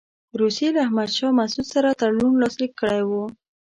روسیې له احمدشاه مسعود سره تړون لاسلیک کړی وو.